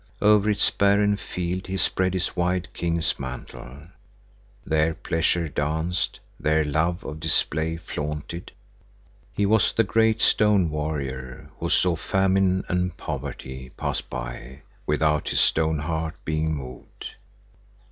Over its barren field he spread his wide king's mantle. There pleasure danced, there love of display flaunted. He was the great stone warrior who saw famine and poverty pass by without his stone heart being moved.